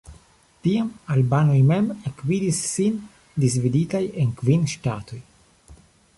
Tiam albanoj mem ekvidis sin disdividitaj en kvin ŝtatoj.